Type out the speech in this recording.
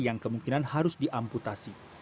yang kemungkinan harus diamputasi